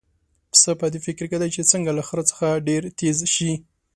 پسه په دې فکر کې دی چې څنګه له خره څخه ډېر تېز شي.